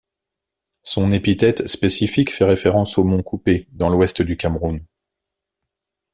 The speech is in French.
Son épithète spécifique fait référence au mont Koupé, dans l'ouest du Cameroun.